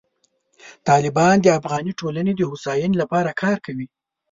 طالبان د افغاني ټولنې د هوساینې لپاره کار کوي.